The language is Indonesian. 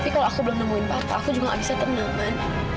kalau aku belum nemuin papa aku juga nggak bisa tenang man